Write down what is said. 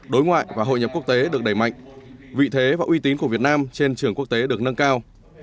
đối ngoại và hội nhập quốc tế được đẩy mạnh vị thế và uy tín của việt nam trên trường quốc tế được nâng cao